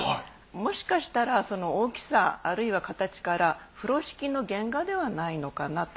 もしかしたらその大きさあるいは形から風呂敷の原画ではないのかなと。